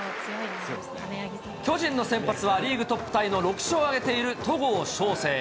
巨人の先発はリーグトップタイの６勝を挙げている戸郷翔征。